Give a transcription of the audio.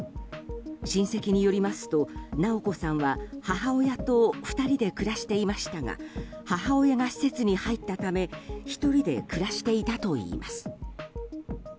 親戚によりますと直子さんは母親と２人で暮らしていましたが母親が施設に入ったため１人で暮らしていたといいます。